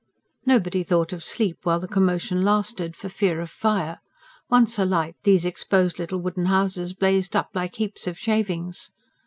Nobody thought of sleep while the commotion lasted, for fear of fire: once alight, these exposed little wooden houses blazed up like heaps of shavings.